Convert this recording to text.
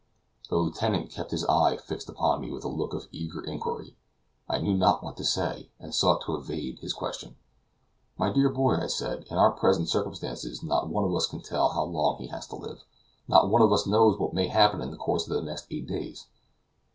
The lieutenant kept his eye fixed upon me with a look of eager inquiry. I knew not what to say, and sought to evade his question. "My dear boy," I said, "in our present circumstances not one of us can tell how long he has to live. Not one of us knows what may happen in the course of the next eight days."